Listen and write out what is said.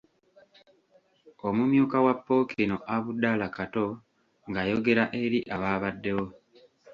Omumyuka wa Ppookino Abdallah Kato ng’ayogera eri abaabaddewo.